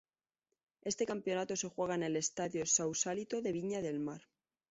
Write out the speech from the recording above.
Este campeonato se juega en el Estadio Sausalito de Viña del Mar.